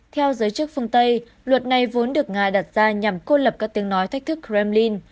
theo giới chức phương tây luật này vốn được nga đặt ra nhằm cô lập các tiếng nói thách thức kremlin